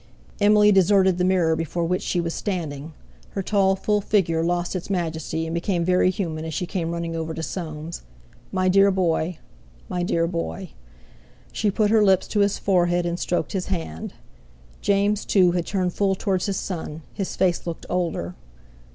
Emily deserted the mirror before which she was standing. Her tall, full figure lost its majesty and became very human as she came running over to Soames. "My dear boy! My dear boy!" She put her lips to his forehead, and stroked his hand. James, too, had turned full towards his son; his face looked older.